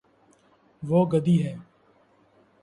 وہ گدی ہے